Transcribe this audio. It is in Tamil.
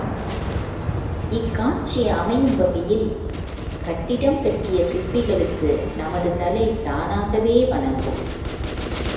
இக்காட்சி அமையும் வகையில், கட்டிடம் கட்டிய சிற்பிகளுக்கு நமது தலை தானாகவே வணங்கும்.